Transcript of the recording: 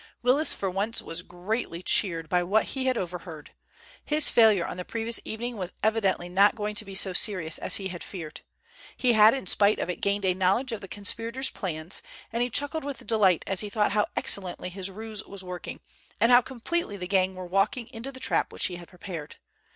Willis for once was greatly cheered by what he had overheard. His failure on the previous evening was evidently not going to be so serious as he had feared. He had in spite of it gained a knowledge of the conspirators' plans, and he chuckled with delight as he thought how excellently his ruse was working, and how completely the gang were walking into the trap which he had prepared.